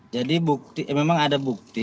jadi bukti memang ada bukti